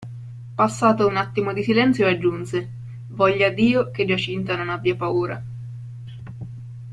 Passato un attimo di silenzio, aggiunse: "Voglia Dio che Giacinta non abbia paura.".